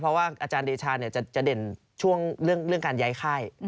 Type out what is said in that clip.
เพราะว่าอาจารย์เดชาจะเด่นช่วงเรื่องการย้ายค่าย